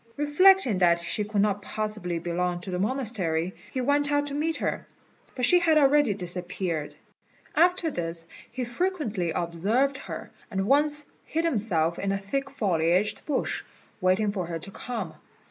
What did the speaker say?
Reflecting that she could not possibly belong to the monastery, he went out to meet her, but she had already disappeared. After this he frequently observed her, and once hid himself in a thick foliaged bush, waiting for her to come.